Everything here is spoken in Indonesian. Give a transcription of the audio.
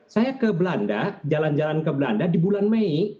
saya ke belanda jalan jalan ke belanda di bulan mei